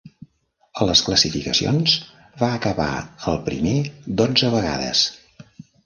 A les classificacions va acabar el primer dotze vegades.